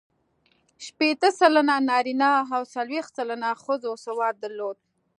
شپېته سلنه نارینه او څلوېښت سلنه ښځو سواد درلود.